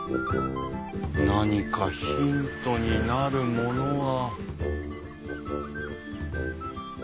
何かヒントになるものは。